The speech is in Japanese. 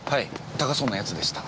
高そうなやつでした。